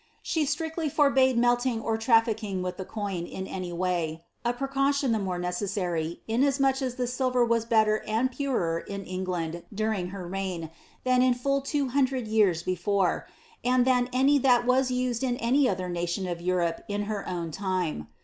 She strictly foibade melting or trafiicking with the coin in any way — a precaution the more necessary, inasmuch as the silver was better and jwrer in Elngland, during her reign, than in full two hundred years before, and than any that was used in any other nation of Europe in her own time.